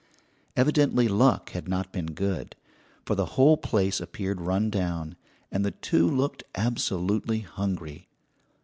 Evidently luck had not been good, for the whole place appeared run down, and the two looked absolutely hungry.